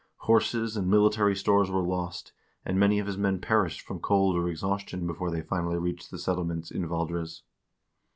Horses and military stores were lost, and many of his men perished from cold or exhaustion before they finally reached the settle ments in Valdres.